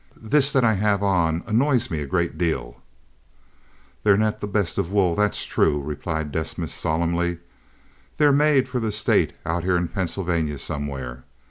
This that I have on annoys me a great deal." "They're not the best wool, that's true enough," replied Desmas, solemnly. "They're made for the State out here in Pennsylvania somewhere.